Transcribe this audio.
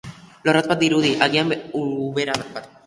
Lorratz bat dirudi, agian ubera bat.